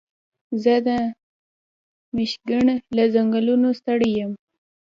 زه د مېشیګن له ځنګلونو ستړی یم.